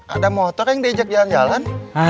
ada motor yang diajak jalan jalan